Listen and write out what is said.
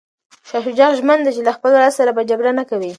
شاه شجاع ژمن دی چي له خپل وراره سره به جګړه نه کوي.